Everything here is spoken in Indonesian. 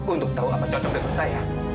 untuk tahu apa cocok dengan saya